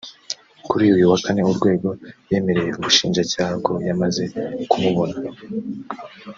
Kuri uyu wa Kane uregwa yemereye Ubushinjacyaha ko yamaze kumubona